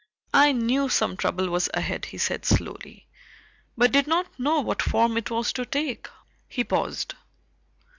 "I knew some trouble was ahead," he said slowly, "but did not know what form it was to take." He paused.